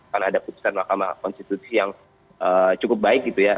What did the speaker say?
karena ada keputusan mahkamah konstitusi yang cukup baik gitu ya